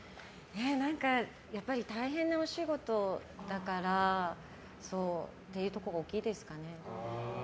やっぱり大変なお仕事だからっていうところが大きいですかね。